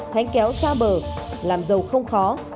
thánh kéo xa bờ làm giàu không khó